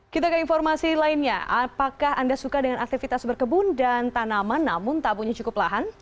kita ke informasi lainnya apakah anda suka dengan aktivitas berkebun dan tanaman namun tak punya cukup lahan